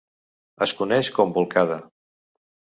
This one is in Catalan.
Es coneix com bolcada.